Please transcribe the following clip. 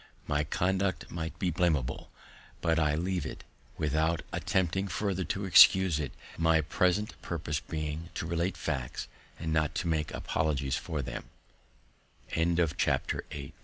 My conduct might be blameable, but I leave it, without attempting further to excuse it; my present purpose being to relate facts, and not to make apol